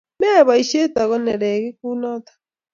meyay boishet ago neregik kunoto